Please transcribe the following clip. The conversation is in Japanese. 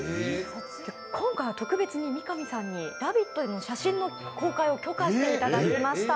今回は特別に三上さんに「ラヴィット！」に写真の公開を許可していただきました。